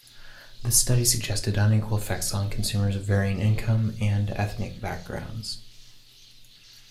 The study suggested unequal effects on consumers of varying income and ethnic backgrounds.